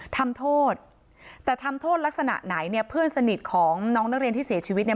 ทำโทษแต่ทำโทษลักษณะไหนเนี่ยเพื่อนสนิทของน้องนักเรียนที่เสียชีวิตเนี่ย